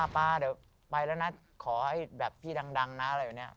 ป๊าเดี๋ยวไปแล้วนะขอให้แบบพี่ดังนะอะไรแบบนี้